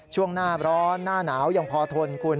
ช่วงหน้าร้อนหน้าหนาวยังพอทนคุณ